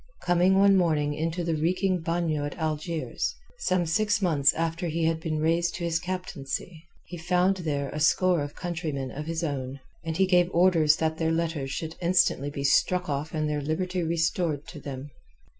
Coming one morning into the reeking bagnio at Algiers, some six months after he had been raised to his captaincy, he found there a score of countrymen of his own, and he gave orders that their letters should instantly be struck off and their liberty restored them.